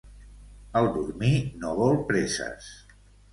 El dormir no vol presses.